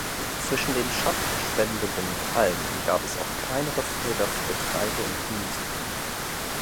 Zwischen den schattenspendenden Palmen gab es auch kleinere Felder für Getreide und Gemüse.